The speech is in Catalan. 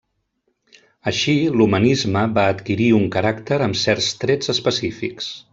Així, l'Humanisme va adquirir un caràcter amb certs trets específics.